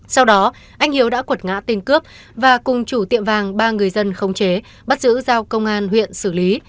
sau đó anh hiếu đã cuột ngã tên cướp và cùng chủ tiệm vàng ba người dân không chế bắt giữ giao công an huyện xử lý